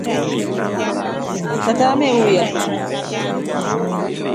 Tata ameuya.